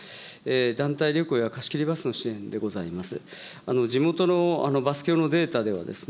団体旅行や貸し切りバスの支援でございます。